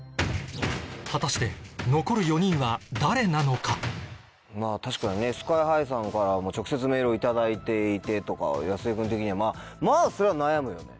果たして残る４人は誰なのか確かにねＳＫＹ−ＨＩさんからも直接メールを頂いていてとか安江君的にはまぁそれは悩むよね。